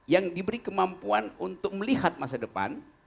yang diberi kemampuan untuk melihat masa depan